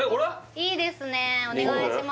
いいですねお願いします